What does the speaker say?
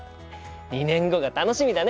２年後が楽しみだね！